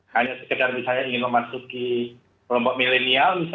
hanya sekedar misalnya ingin memasuki kelompok milenial